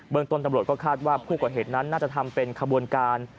ต้นตำรวจก็คาดว่าผู้ก่อเหตุนั้นน่าจะทำเป็นขบวนการ